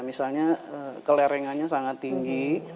misalnya kelerengannya sangat tinggi